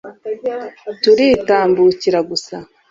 turitambukira gusa